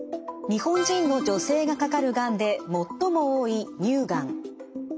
日本人の女性がかかるがんで最も多い乳がん。